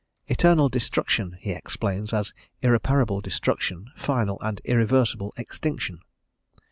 "Eternal destruction" he explains as irreparable destruction, final and irreversible extinction.